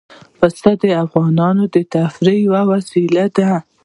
پسه د افغانانو د تفریح یوه وسیله ده.